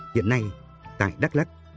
hiện nay tại đắk lắc